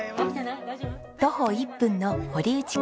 徒歩１分の堀内家。